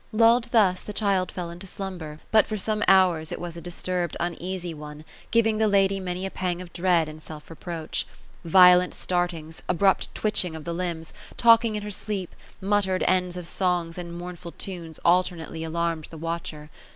Lulled thus, the child fell into slumber ; but for some hours it was a disturbed, uneasy one, giTing the lady many a pang of dread and self reproach. Violent startings. abrupt twitehing of (he liMbs, talking in her sleep, muttered ends of songs and moumfiDd tones alternately alarmed the watcher.